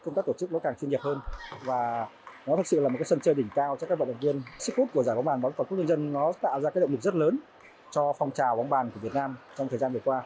giải đấu của giải bóng bàn bóng tổ chức dân dân tạo ra động lực rất lớn cho phong trào bóng bàn của việt nam trong thời gian vừa qua